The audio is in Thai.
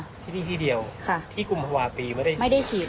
ที่นี่ที่เดียวที่กุมฮวาปีไม่ได้เฉียด